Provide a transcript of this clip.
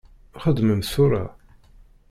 Xedmem-t tura.